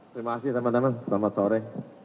terima kasih teman teman selamat sore